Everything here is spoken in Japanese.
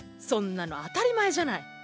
そんなの当たり前じゃない。